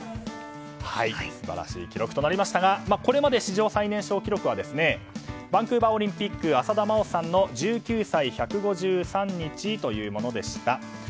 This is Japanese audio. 素晴らしい記録となりましたがこれまで史上最年少記録はバンクーバーオリンピック浅田真央さんの１９歳１５３日でした。